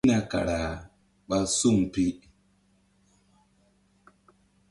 Mbihna kara ɓa suŋ pi.